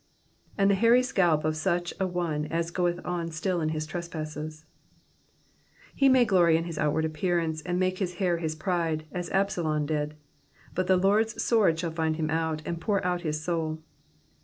^^And the hairy scalp of such an one as goeth on still in his trespasses.'' IIo may glory in his outward appearance, and make his hair his pride, as Absalom aid ; but the Lord's sword shall find him out, and pour out his soul.